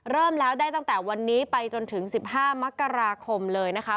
เริ่มแล้วได้ตั้งแต่วันนี้ไปจนถึง๑๕มกราคมเลยนะคะ